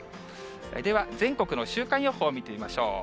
では、全国の週間予報を見てみましょう。